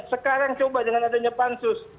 sekarang coba dengan adanya pansus